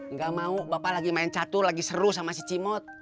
nggak mau bapak lagi main catur lagi seru sama si cimot